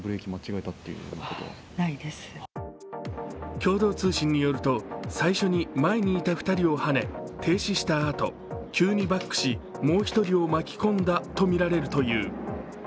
共同通信によると、最初に前にいた２人をはね停止したあと、急にバックしもう１人を巻き込んだとみられるという。